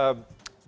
ini segmen terakhir